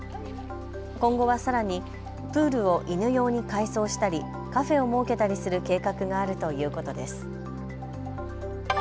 今後はさらにプールを犬用に改装したりカフェを設けたりする計画があるということです。